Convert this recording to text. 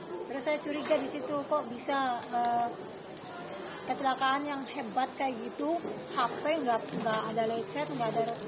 terus saya curiga disitu kok bisa kecelakaan yang hebat kayak gitu